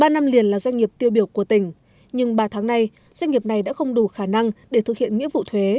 ba năm liền là doanh nghiệp tiêu biểu của tỉnh nhưng ba tháng nay doanh nghiệp này đã không đủ khả năng để thực hiện nghĩa vụ thuế